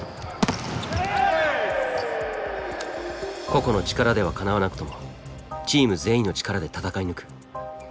個々の力ではかなわなくともチーム全員の力で戦い抜く。